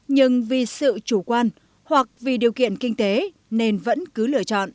nhưng vì sự chủ quan hoặc vì điều kiện kinh tế nên vẫn cứ lựa chọn